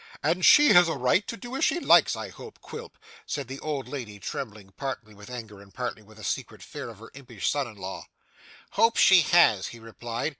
'And she has a right to do as she likes, I hope, Quilp,' said the old lady trembling, partly with anger and partly with a secret fear of her impish son in law. 'Hope she has!' he replied.